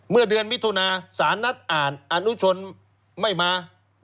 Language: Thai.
เมื่อเดือนมิถุนาสารนัดอ่านอนุชนไม่มา